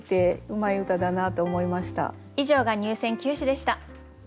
以上が入選九首でした。